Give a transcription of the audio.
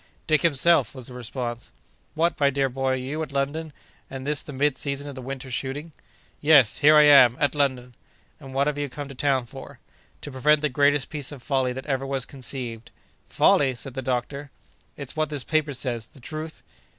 "Dick himself!" was the response. "What, my dear boy, you at London, and this the mid season of the winter shooting?" "Yes! here I am, at London!" "And what have you come to town for?" "To prevent the greatest piece of folly that ever was conceived." "Folly!" said the doctor. "Is what this paper says, the truth?"